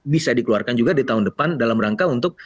bisa dikeluarkan juga di tahun depan dalam rangka untuk